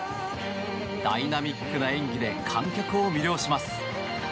ダイナミックな演技で観客を魅了します。